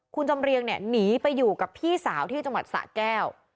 คุณจำเรียงเนี่ยหนีไปอยู่กับพี่สาวที่จังหวัดสะแก้ว